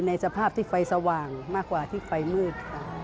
ในสภาพที่ไฟสว่างมากกว่าที่ไฟมืดค่ะ